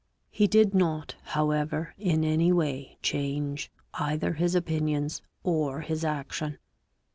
He did not, however, in any way change either his opinions or his action.